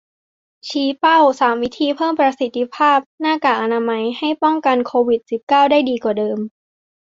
ชี้เป้า สาม วิธีเพิ่มประสิทธิภาพหน้ากากอนามัย ให้ป้องกันโควิด สิบเก้า ได้ดีกว่าเดิม